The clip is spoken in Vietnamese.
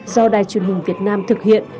do đài truyền hình việt nam thực hiện